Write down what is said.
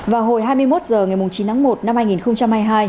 vào hồi hai mươi một h ngày chín một hai nghìn hai mươi hai